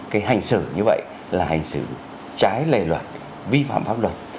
cái hành xử như vậy là hành xử trái lệ luật vi phạm pháp luật